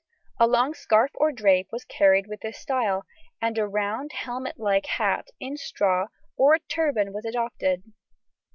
A long scarf or drape was carried with this style, and a round helmet like hat in straw or a turban was adopted.